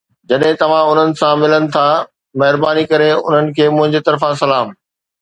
جيڪڏهن توهان انهن سان ملن ٿا، مهرباني ڪري انهن کي منهنجي طرفان سلام